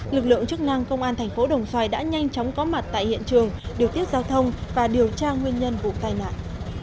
lực lượng chức năng công an thành phố đồng xoài đã nhanh chóng có mặt tại hiện trường điều tiết giao thông và điều tra nguyên nhân vụ tai nạn